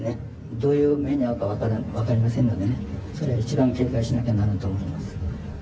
どういう目に遭うか分かりませんのでね、それは一番警戒しなきゃならんと思います。